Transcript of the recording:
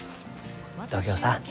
東京さん